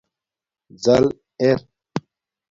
زَل اِر